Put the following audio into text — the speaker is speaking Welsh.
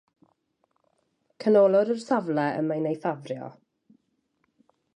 Canolwr yw'r safle y mae'n ei ffafrio.